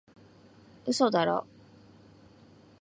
嘘だろ？